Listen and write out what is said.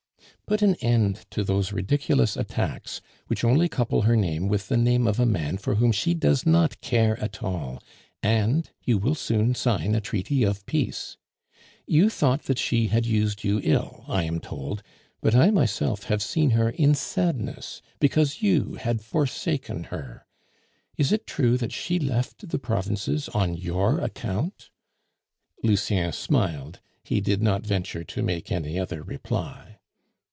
"Put an end to those ridiculous attacks, which only couple her name with the name of a man for whom she does not care at all, and you will soon sign a treaty of peace. You thought that she had used you ill, I am told, but I myself have seen her in sadness because you had forsaken her. Is it true that she left the provinces on your account?" Lucien smiled; he did not venture to make any other reply.